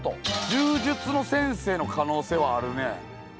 柔術の先生の可能性はあるね。